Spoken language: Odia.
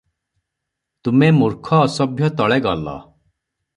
ତୁମେ ମୁର୍ଖ ଅସଭ୍ୟ ତଳେ ଗଲ ।